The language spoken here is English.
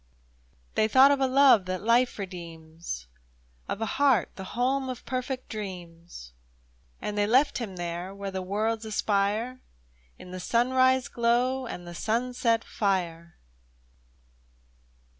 They thought of a love that hfe redeems, Of a heart the home of perfect dreams, And they left him there, where the worlds aspire In the sunrise glow and the sunset fire